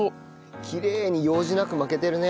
きれいに楊枝なく巻けてるね。